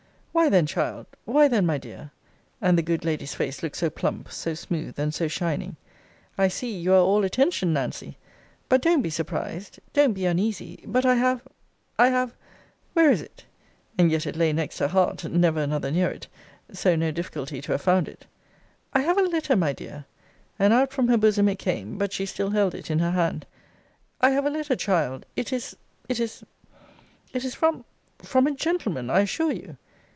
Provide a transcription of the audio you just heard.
Why then, child why then, my dear [and the good lady's face looked so plump, so smooth, and so shining!] I see you are all attention, Nancy! But don't be surprised! don't be uneasy! But I have I have Where is it? [and yet it lay next her heart, never another near it so no difficulty to have found it] I have a letter, my dear! [And out from her bosom it came: but she still held it in her hand] I have a letter, child. It is it is it is from from a gentleman, I assure you!